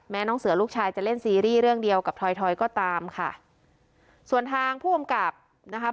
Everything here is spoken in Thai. น้องเสือลูกชายจะเล่นซีรีส์เรื่องเดียวกับทอยทอยก็ตามค่ะส่วนทางผู้กำกับนะครับ